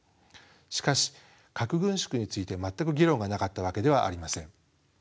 しかし核軍縮について全く議論がなかったわけではありません。